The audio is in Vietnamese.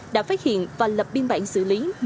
đã phát hiện và lập biên bản xử lý